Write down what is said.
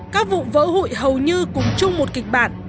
các vụ vỡ hụi hầu như cùng chung một kịch bản